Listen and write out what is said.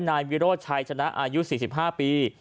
นายวิโรธชัยชนะอายุ๔๕ปี